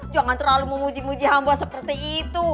jangan terlalu memuji muji hamba seperti itu